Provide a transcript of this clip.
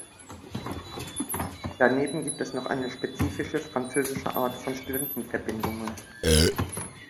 Daneben gibt es noch eine spezifisch französische Art von Studentenverbindungen.